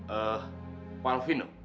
eh pak alvin